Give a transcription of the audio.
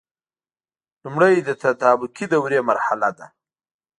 لمړی د تطابقي دورې مرحله ده.